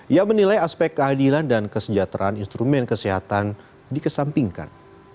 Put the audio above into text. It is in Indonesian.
ia menilai aspek keadilan dan kesejahteraan instrumen kesehatan dikesampingkan